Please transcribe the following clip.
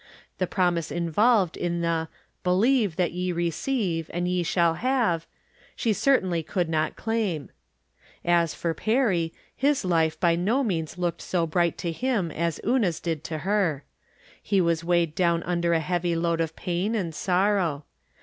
The promise involved in the " Believe that ye re ceive, and ye shall have," she certainly could not claim. As for Perry, his life by no means looked so bright to him as Una's did to her. He was weighed down under a heavy load of pain and sorrow.